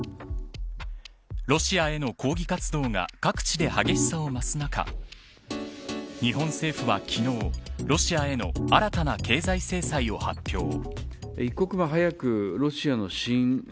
ロシアへの抗議活動が各地で激しさを増す中日本政府は昨日、ロシアへの新たな経済制裁を発表。